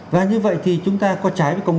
và như vậy thì chúng ta có trái với công nghệ